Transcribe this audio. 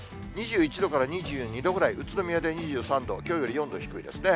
２１度から２２度ぐらい、宇都宮で２３度、きょうより４度低いですね。